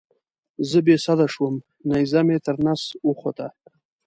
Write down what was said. زه بې سده شوم نیزه مې تر نس وخوته.